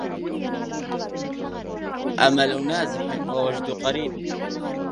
أمل نازح ووجد قريب